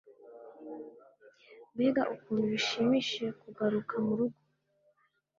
‘Mbega ukuntu bishimishije kugaruka mu rugo